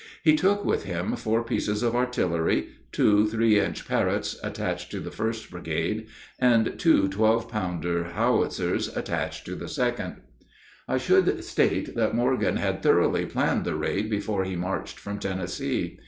He took with him four pieces of artillery two 3 inch Parrotts, attached to the First Brigade, and two 12 pounder howitzers, attached to the Second. I should state that Morgan had thoroughly planned the raid before he marched from Tennessee.